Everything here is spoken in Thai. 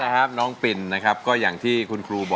ขอบคุณครับ